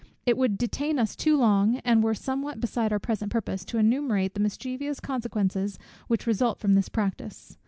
It would detain us too long, and it were somewhat beside our present purpose, to enumerate the mischievous consequences which result from this practice.